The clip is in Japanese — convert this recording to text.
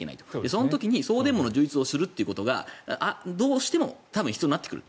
その時に送電網の充実をすることがどうしても必要になってくる。